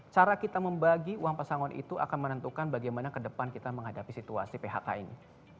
cara kita membagi uang pesangon itu akan menentukan bagaimana ke depan kita menghadapi situasi phk ini